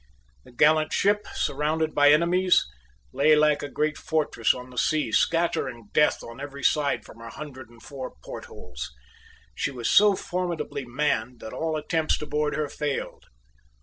The gallant ship, surrounded by enemies, lay like a great fortress on the sea, scattering death on every side from her hundred and four portholes. She was so formidably manned that all attempts to board her failed.